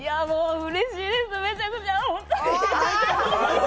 うれしいです、めちゃくちゃ、ホントに。